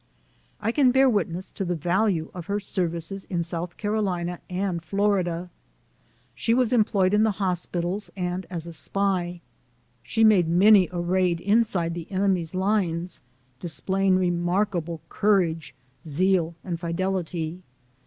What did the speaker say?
I can bear witness to the value of her services in South Carolina and Florida. She was employed in the hospitals and as a spy. She made many a raid inside the enemy's lines, displaying remarkable courage, zeal, and fidelity.